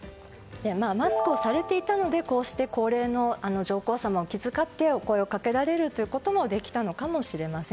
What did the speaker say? マスクをされていたので高齢の上皇さまを気遣ってお声をかけられるということもできたのかもしれません。